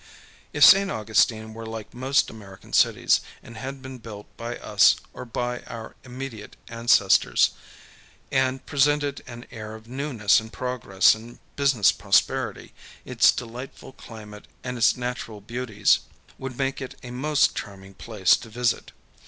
If St. Augustine were like most American cities, and had been built by us or by our immediate ancestors, and presented an air of newness and progress and business prosperity, its delightful climate and its natural beauties would make it a most charming place to visit.